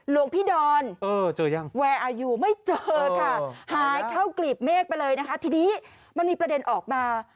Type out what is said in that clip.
หลวงพี่ดอนยังแวะอยู่ไม่เจอค่ะหายเข้ากลีบเมฆไปเลยนะคะทีนี้มันมีประเด็นออกมา